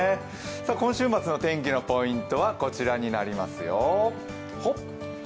今週末の天気のポイントはこちらになりますよ。